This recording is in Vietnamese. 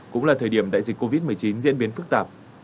cũng là thời điểm đại dịch covid một mươi chín diễn biến phức tạp